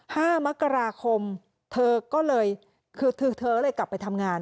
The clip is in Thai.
ห้ามกราคมเธอก็เลยกลับไปทำงาน